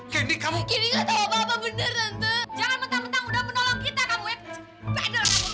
kedek kamu tuh